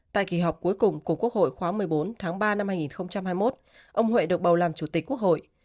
tại kỳ họp cuối cùng của quốc hội khóa một mươi bốn tháng ba năm hai nghìn hai mươi một ông huệ được bầu làm chủ tịch quốc hội